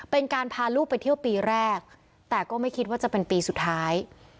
เป็นการพาลูกไปเที่ยวปีแรกแต่ก็ไม่คิดว่าจะเป็นปีสุดท้าย